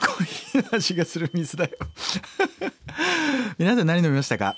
皆さん何飲みましたか？